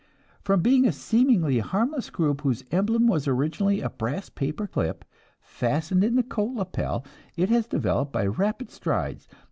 "From being a seemingly harmless group whose emblem was originally a brass paper clip fastened in the coat lapel it has developed by rapid strides.